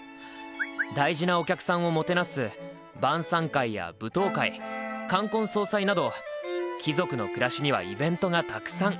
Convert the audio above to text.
大事なお客さんをもてなす晩さん会や舞踏会冠婚葬祭など貴族の暮らしにはイベントがたくさん。